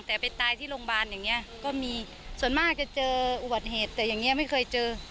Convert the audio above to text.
แต่ไปตายที่โรงพยาบาลอย่างเงี้ยก็มีส่วนมากจะเจออุบัติเหตุแต่อย่างนี้ไม่เคยเจอ